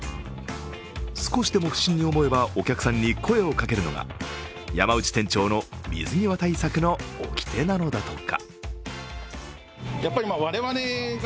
少しでも不審に思えば、お客さんに声をかけるのが山内店長の水際対策のおきてなのだとか。